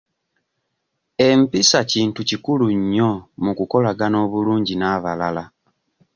Empisa kintu kikulu nnyo mu kukolagana obulungi n'abalala.